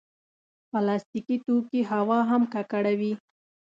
پلاستيکي توکي هوا هم ککړوي.